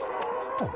あっ。